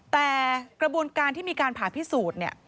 แต่กระบวนการที่มีการผ่าพิสูจน์เนี่ย